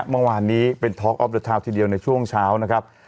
เมื่อวานนี้เป็นท็อกออฟเตอร์ทาวน์ทีเดียวในช่วงเช้านะครับ